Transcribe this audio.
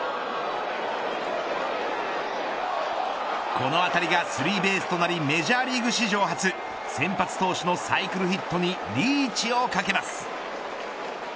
この当たりがスリーベースとなりメジャーリーグ史上初先発投手のサイクルヒットにリーチをかけます。